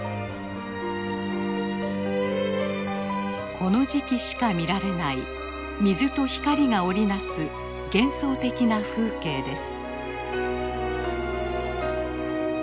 この時期しか見られない水と光が織り成す幻想的な風景です。